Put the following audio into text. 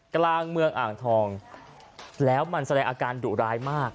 กลางเมืองอ่างทองแล้วมันแสดงอาการดุร้ายมาก